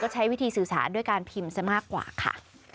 ใช้วิธีสื่อสารด้วยการพิมพ์ซะมากกว่าค่ะ